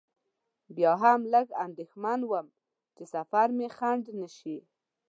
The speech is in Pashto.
بیا هم لږ اندېښمن وم چې سفر مې خنډ نه شي.